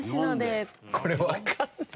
これ分かんねえ。